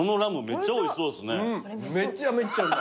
めっちゃおいしそうです。